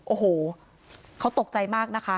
โอ้โหเขาตกใจมากนะคะ